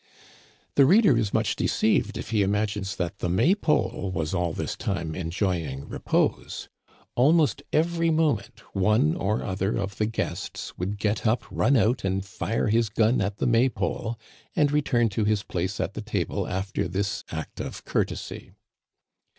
The reader is much deceived if he imagines that the May pole was all this time enjoying repose. Al most every moment one or other of the guests would get up, run out and fire his gun at the May pole, and return to his place at the table after this act of courtesy.